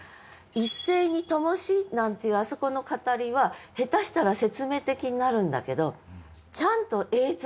「一斉に灯し」なんていうあそこの語りは下手したら説明的になるんだけど見事だなと。